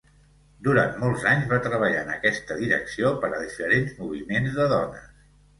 Durant molts anys va treballar en aquesta direcció per a diferents moviments de dones.